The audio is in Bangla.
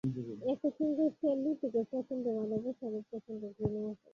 একই সঙ্গে সে লোকটিকে প্রচণ্ড ভালবাসে, আবার প্রচণ্ড ঘৃণাও করে।